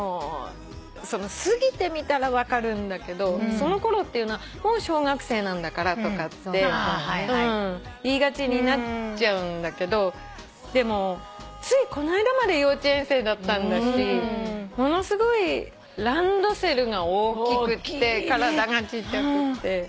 過ぎてみたら分かるんだけどそのころっていうのはもう小学生なんだからとかって言いがちになっちゃうんだけどでもついこないだまで幼稚園生だったんだしものすごいランドセルが大きくて体がちっちゃくて。